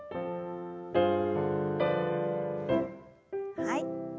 はい。